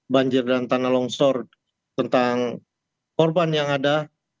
banjir dan tanah longsor tentang korban yang ada